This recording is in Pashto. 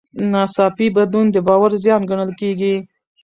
ناڅاپي بدلون د باور زیان ګڼل کېږي.